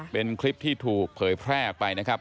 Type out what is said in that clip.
เป็นคลิปที่ถูกเผยแพร่ออกไปนะครับ